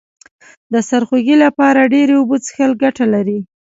د سرخوږي لپاره ډیرې اوبه څښل گټه لري